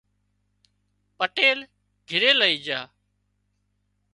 پٽيل گھري لئي جھا